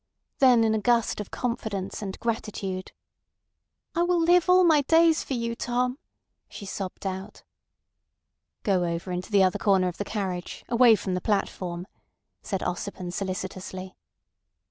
Then in a gust of confidence and gratitude, "I will live all my days for you, Tom!" she sobbed out. "Go over into the other corner of the carriage, away from the platform," said Ossipon solicitously.